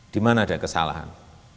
di mana ada kesalahan